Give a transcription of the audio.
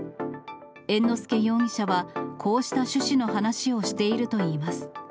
猿之助容疑者はこうした趣旨の話をしているといいます。